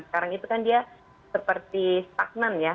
sekarang itu kan dia seperti stagnan ya